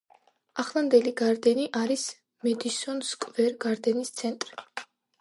ახლანდელი გარდენი არის მედისონ სკვერ გარდენის ცენტრი.